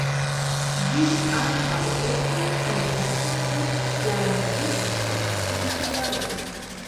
Ĝi ankaŭ estas uzata por planthista kultivado.